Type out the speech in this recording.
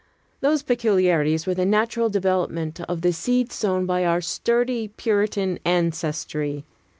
Those peculiarities were the natural development of the seed sown by our sturdy Puritan ancestry.